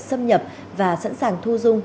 xâm nhập và sẵn sàng thu dung